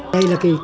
đây là cái